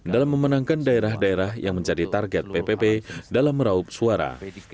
dalam memenangkan daerah daerah yang menjadi target ppp dalam meraup suara